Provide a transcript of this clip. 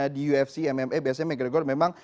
di ufc mma biasanya mcgregor memang